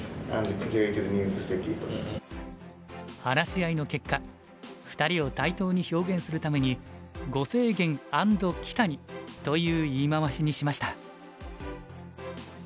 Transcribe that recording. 話し合いの結果２人を対等に表現するために「呉清源アンド木谷」という言い回しにしました。